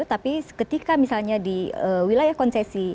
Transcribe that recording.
tapi ketika misalnya di wilayah konsesi